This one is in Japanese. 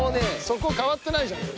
そこ変わってないじゃん。